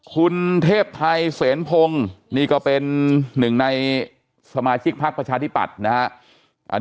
คุณเทพไทยเสนพงศ์นี่ก็เป็นหนึ่งในสมาชิกพักประชาธิปัตย์นะครับ